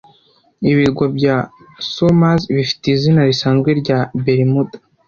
Ibirwa bya Somers bifite izina risanzwe rya Bermuda